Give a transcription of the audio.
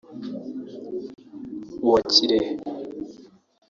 uwa Kirehe